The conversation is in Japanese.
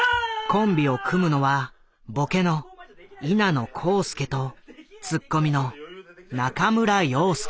コンビを組むのはボケのいなのこうすけとツッコミの中村陽介。